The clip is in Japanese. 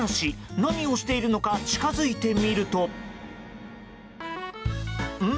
何をしているのか近づいてみるとん？